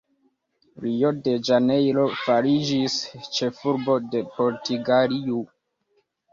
Rio-de-Ĵanejro fariĝis ĉefurbo de Portugalio.